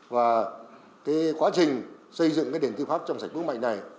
và quá trình xây dựng nền tư pháp trong sạch vững mạnh này